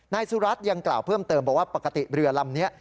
นายสุรัตน์ยังกล่าวเพิ่มเติมบอกว่าปกติเรือลำนี้